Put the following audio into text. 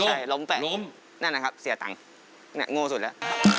ใช่ล้มแปะนั่นแหละครับเสียตังค์โง่สุดแล้ว